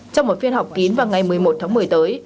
trong một phiên họp kín vào ngày một mươi một tháng một mươi tới